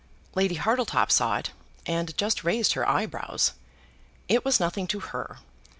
Lady Hartletop saw it, and just raised her eyebrows. It was nothing to her.